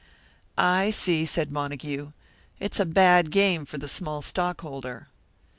"I see," said Montague. "It's a bad game for the small stockholder."